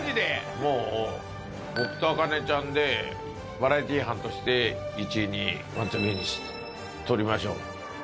もう、僕と茜ちゃんでバラエティー班として、１、２位、ワンツーフィニッシュ取りましょう。